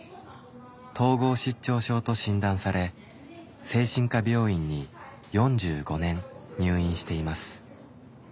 統合失調症と診断され精神科病院に４５年入院しています。